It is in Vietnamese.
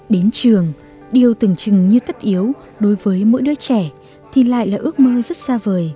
đến trường điều từng chừng như tất yếu đối với mỗi đứa trẻ thì lại là ước mơ rất xa vời